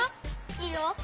いいよ。